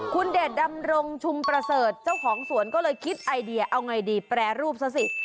คุณเดชดำรงชุมประเสริฐเจ้าของสวนก็เลยคิดไอเดียเอาไงดีแปรรูปซะสิ